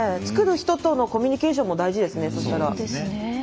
作る人とのコミュニケーションも大事ですね。